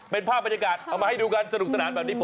เป็นภาพบรรยากาศเอามาให้ดูกันสนุกสนานแบบนี้